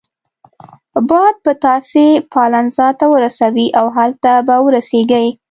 باد به تاسي پالنزا ته ورسوي او هلته به ورسیږئ.